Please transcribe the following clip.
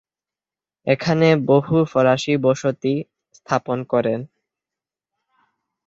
এখানে বহু ফরাসি বসতি স্থাপন করেন।